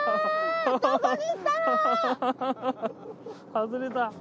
外れた。